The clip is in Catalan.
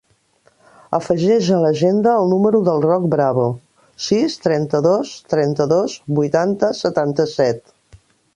Afegeix a l'agenda el número del Roc Bravo: sis, trenta-dos, trenta-dos, vuitanta, setanta-set.